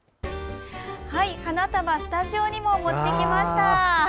花束をスタジオにも持ってきました。